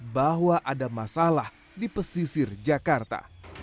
bahwa ada masalah di pesisir jakarta